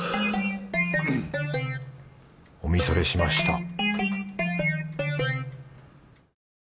おみそれしました